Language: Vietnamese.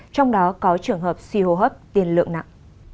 trong đó có trường hợp suy hô hấp tiền lượng nặng